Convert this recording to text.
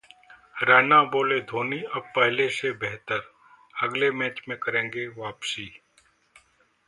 रैना बोले- धोनी अब पहले से बेहतर, अगले मैच में करेंगे वापसी